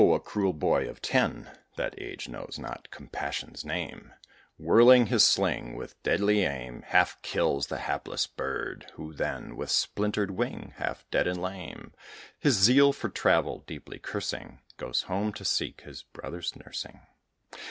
a cruel boy of ten (That age knows not compassion's name), Whirling his sling, with deadly aim, Half kills the hapless bird, who then, With splintered wing, half dead, and lame, His zeal for travel deeply cursing, Goes home to seek his brother's nursing.